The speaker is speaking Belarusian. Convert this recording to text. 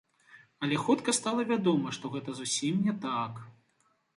Але хутка стала вядома, што гэта зусім не так.